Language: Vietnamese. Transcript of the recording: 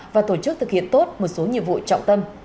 và tổ chức thực hiện tốt một số nhiệm vụ trọng tâm